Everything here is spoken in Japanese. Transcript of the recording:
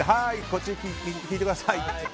こっち聞いてください！